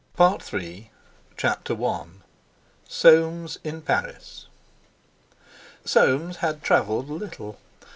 PART III CHAPTER I SOAMES IN PARIS Soames had travelled little.